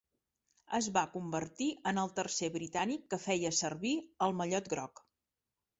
Es va convertir en el tercer britànic que feia servir el mallot groc.